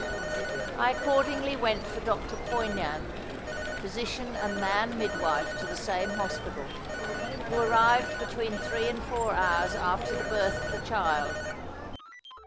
I accordingly went for Dr. Poignand, physician and man midwife to the same hospital, who arrived between three and four hours after the birth of the child.